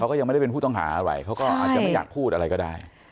ก็ยังไม่ได้เป็นผู้ต้องหาอะไรเขาก็อาจจะไม่อยากพูดอะไรก็ได้